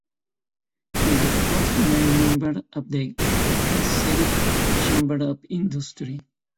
She is the first female member of the Kayseri Chamber of Industry.